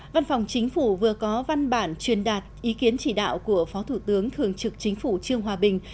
văn phòng chính phủ vừa có văn bản truyền đạt ý kiến chỉ đạo của phó thủ tướng thường trực chính phủ trương hòa bình